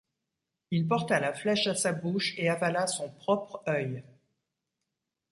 Il porta la flèche à sa bouche et avala son propre œil.